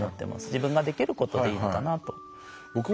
自分ができることでいいのかなと。